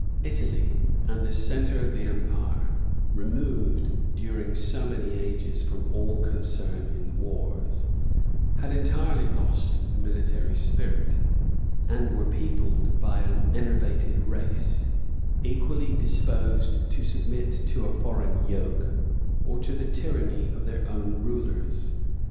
Italy, and the centre of the empire, removed during so many ages from all concern in the wars, had entirely lost the military spirit, and were peopled by an enervated race, equally disposed to submit to a foreign yoke, or to the tyranny of their own rulers.